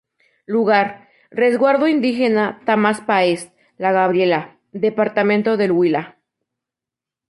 Lugar: Resguardo Indígena Tama Páez La Gabriela, departamento del Huila.